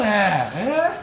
えっ？